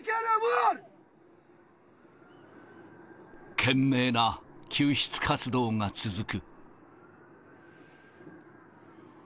懸命な救出活動が続く。